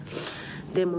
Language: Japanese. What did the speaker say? でも。